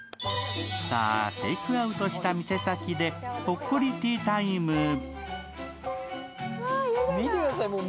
さあ、テイクアウトした店先でほっこりティータイム。